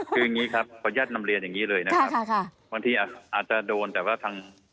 คืออย่างงี้ครับอาจจะโดนแหละว่าท่าน